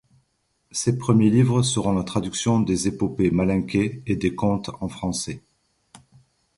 Ses premiers livres seront la traduction des épopées malinkées et des contes en français.